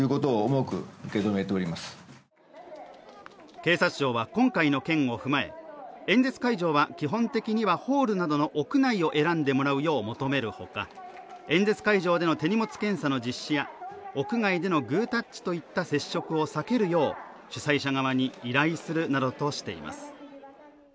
警察庁は今回の件を踏まえ演説会場は基本的にはホールなどの屋内などを選んでもらうよう求めるほか演説会場での手荷物検査の実施や屋外でのグータッチといった接触を避けるよう主催者側に依頼するなどとしています。